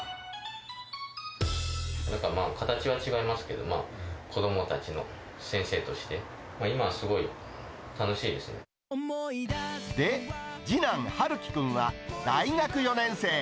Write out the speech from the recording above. なんか形は違いますけど、子どもたちの先生として、で、次男、開紀君は大学４年生。